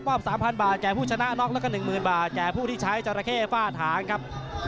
๓๐๐บาทแก่ผู้ชนะน็อกแล้วก็๑๐๐๐บาทแก่ผู้ที่ใช้จราเข้ฝ้าถางครับ